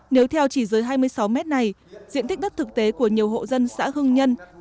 nếu theo chỉ dưới hai mươi sáu mét này diện tích đất thực tế của nhiều hộ dân xã hưng nhân